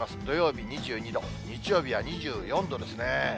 土曜日２２度、日曜日は２４度ですね。